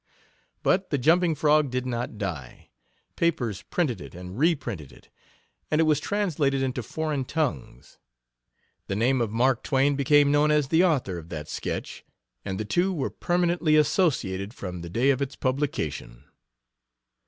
But The Jumping Frog did not die. Papers printed it and reprinted it, and it was translated into foreign tongues. The name of "Mark Twain" became known as the author of that sketch, and the two were permanently associated from the day of its publication.